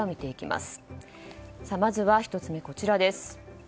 まずは１つ目、こちらです。